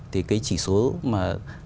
thì cái chỉ số mà